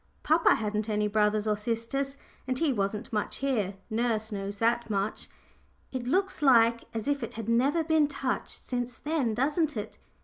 Papa hadn't any brothers or sisters, and he wasn't much here nurse knows that much. It looks like as if it had never been touched since then doesn't it?